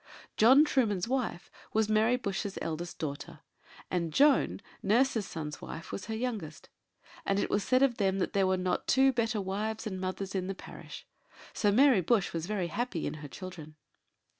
John Trueman's wife was Mary Bush's eldest daughter; and Joan, nurse's son's wife, her youngest; and it was said of them that there were not two better wives and mothers in the parish: so Mary Bush was very happy in her children.